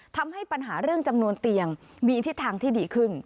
ทำให้ปัญหาเรื่องจำนวนเตียงมีทิศทางที่ดีขึ้น